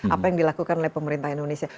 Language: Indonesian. apa yang dilakukan oleh pemerintah indonesia